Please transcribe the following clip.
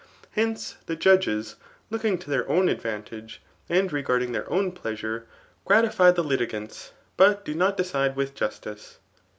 Hence, the judges, looking to their own advantage, and regarding their own pleasufe,. gratify the litfgants, but do . not decide with justice.